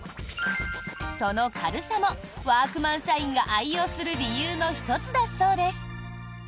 その軽さもワークマン社員が愛用する理由の１つだそうです。